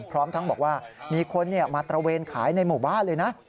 พร้อมทั้งบอกว่ามีคนมาตระเวนขายในหมู่บ้านเลยนะ